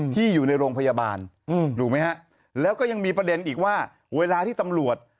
ที่อยู่ในโรงพยาบาลถูกไหมฮะแล้วก็ยังมีประเด็นอีกว่าเวลาที่ตำรวจ